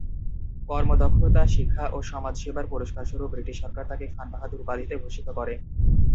কর্মদক্ষতা, শিক্ষা ও সমাজ সেবার পুরস্কারস্বরূপ ব্রিটিশ সরকার তাঁকে ‘খানবাহাদুর’ উপাধিতে ভূষিত করে।